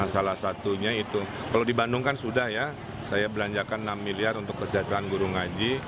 salah satunya itu kalau di bandung kan sudah ya saya belanjakan enam miliar untuk kesejahteraan guru ngaji